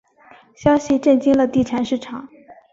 消息震惊了地产市场。